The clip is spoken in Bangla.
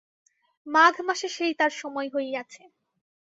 মাঘ মাসে সেই তাঁর সময় হইয়াছে।